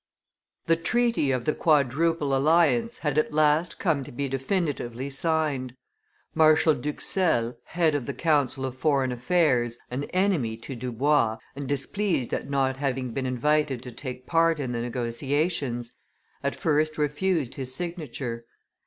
The treaty of the quadruple alliance had at last come to be definitively signed; Marshal d'Huxelles, head of the council of foreign affairs, an enemy to Dubois, and displeased at not having been invited to take part in the negotiations, at first refused his signature.